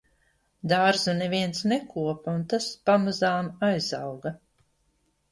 Dārzu neviens nekopa un tas pamazām aizauga.